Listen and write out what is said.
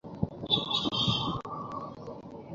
আমার প্রতিপালক যা ইচ্ছা তা নিপুণতার সাথে করেন।